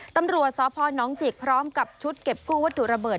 ตำรวจสพนจิกพร้อมกับชุดเก็บกู้วัตถุระเบิด